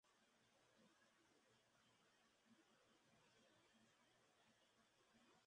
Director de "Alforja" Ediciones.